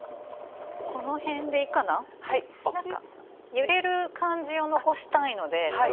揺れる感じを残したいのでちょっと。